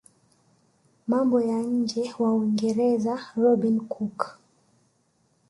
mambo ya nje wa Uingereza Robin cook